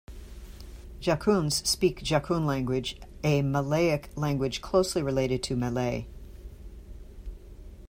Jakuns speak Jakun language, a Malayic language closely related to Malay.